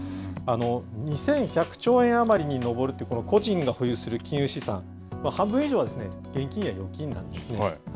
２１００兆円余りに上るという、個人が保有する金融資産、半分以上は現金や預金なんですね。